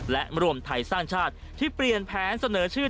และรวมไทยสร้างชาติที่เปลี่ยนแผนเสนอชื่อ